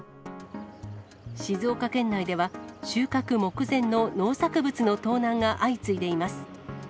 静岡県内では、収穫目前の農作物の盗難が相次いでいます。